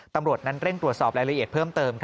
ตำรวจนั้นเร่งตรวจสอบรายละเอียดเพิ่มเติม